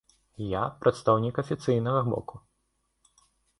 Я прадстаўнік афіцыйнага боку.